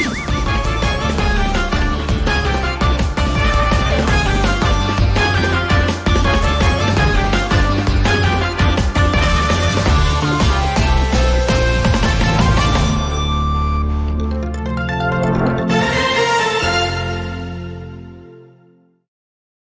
แดงขนร้อยแดงขนร้อย